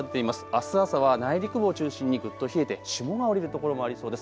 あす朝は内陸を中心にぐっと冷えて霜が降りる所もありそうです。